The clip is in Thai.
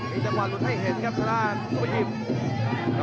เสียอีกทางวนให้เห็นครับสำหรับซุปกิม